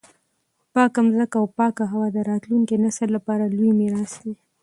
پاکه مځکه او پاکه هوا د راتلونکي نسل لپاره لوی میراث دی.